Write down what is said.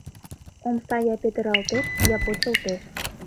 Омса я петыралтеш, я почылтеш.